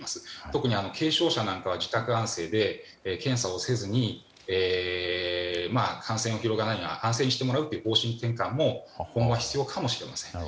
特に軽症者なんかは自宅安静で検査をせずに感染を広げないように安静にしていただくという方針転換も今後は必要かもしれません。